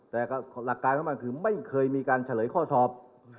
แต่หลักการของมันคือไม่เคยมีการเฉลยข้อสอบ